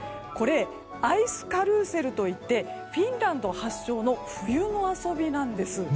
これ、アイスカルーセルといってフィンランド発祥の冬の遊びなんです。